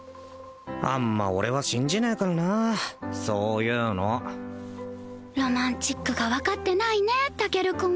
あんま俺は信じねえからなあそういうのロマンチックが分かってないねえタケル君